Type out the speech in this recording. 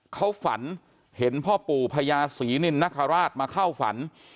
เขาฝันเห็นพ่อปู่พญาศรีนินนคราชมาเข้าฝัน